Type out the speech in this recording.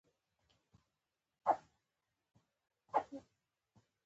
د شپې ناوخته د اسحق خان د تېښتې خبر ورته ورسېد.